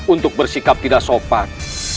untuk bersikap tidak sopan